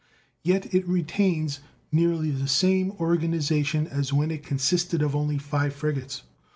Yet it retains nearly the same organization as when it consisted only of five frigates.